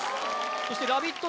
そしてラヴィット！